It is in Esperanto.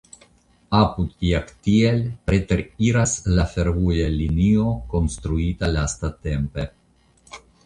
Apud Jagtial preteriras la fervoja linio konstruita lastatempe.